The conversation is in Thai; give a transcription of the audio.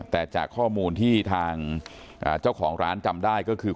แต่จากข้อมูลที่ทางเจ้าของร้านจำได้ก็คือ